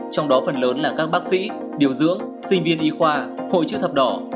trong đó phần lớn là các bác sĩ điều dưỡng sinh viên y khoa hội chữ thập đỏ